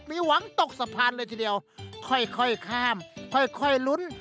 มีหวังตกสะพานเลยทีเดียวค่อยข้ามค่อยลุ้น